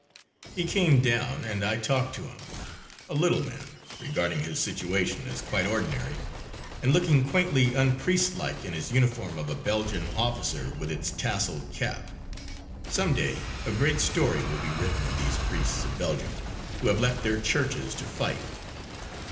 He came down and I talked to him a little man, regarding his situation as quite ordinary, and looking quaintly unpriestlike in his uniform of a Belgian officer with its tasselled cap. Some day a great story will be written of these priests of Belgium who have left their churches to fight.